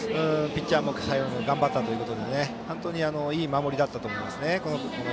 ピッチャーも頑張ったということで本当にいい守りだったと思います。